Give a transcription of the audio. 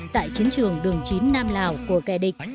tại chiến trường đường chín nam lào của kẻ địch